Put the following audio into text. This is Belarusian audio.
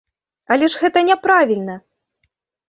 Але гэта ж няправільна!